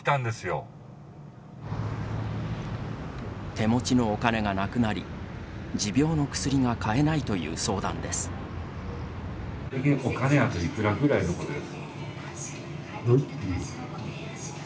手持ちのお金がなくなり持病の薬が買えないという相談です。